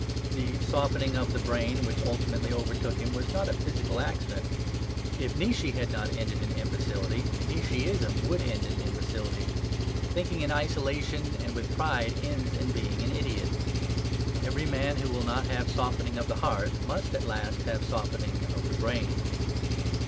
The softening of the brain which ultimately overtook him was not a physical accident. If Nietzsche had not ended in imbecility, Nietzscheism would end in imbecility. Thinking in isolation and with pride ends in being an idiot. Every man who will not have softening of the heart must at last have softening of the brain.